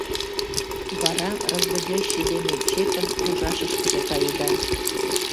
Вара разводящий дене чекын ужашышкыже каеда.